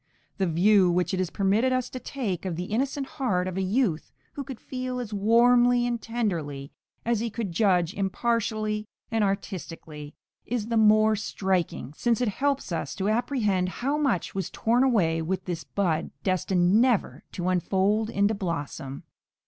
The view which it is permitted us to take of the innocent heart of a youth who could feel as warmly and tenderly as he could judge impartially and artistically, is the more striking, since it helps us to apprehend how much was torn away with this bud, destined never to unfold into blossom.